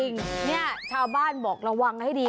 นี่ชาวบ้านบอกระวังให้ดี